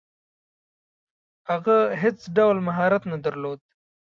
هغه هیڅ ډول مهارت نه درلود.